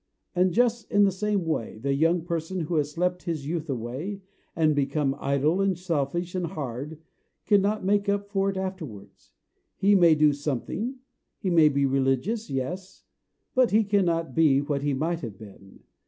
And just in the same way, the young person who has slept his youth away, and become idle, and selfish, and hard, cannot make up for that afterwards. He may do something, he may be religious yes; but he cannot be what he might have been.